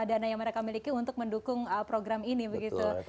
dana yang mereka miliki untuk mendukung program ini begitu